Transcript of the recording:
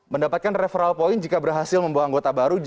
mendapatkan referral point jika berhasil membawa anggota baru